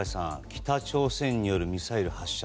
北朝鮮によるミサイル発射